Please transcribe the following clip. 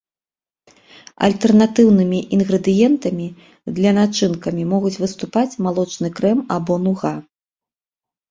Альтэрнатыўнымі інгрэдыентамі для начынкамі могуць выступаць малочны крэм або нуга.